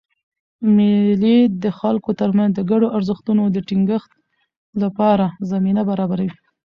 مېلې د خلکو ترمنځ د ګډو ارزښتونو د ټینګښت له پاره زمینه برابروي.